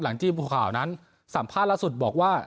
หลังจีบบัวขาวนั้นสัมภาษณ์ล่าสุดบอกว่า